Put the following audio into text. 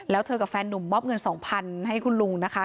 แล้วเธอกับแฟนนุ่มมอบเงิน๒๐๐๐ให้คุณลุงนะคะ